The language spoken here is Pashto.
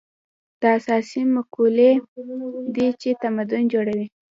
دا اساسي مقولې دي چې تمدن جوړوي.